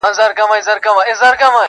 ته له هره دِلستانه دِلستانه ښایسته یې,